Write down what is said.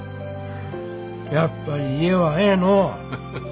やっぱり家はええのう。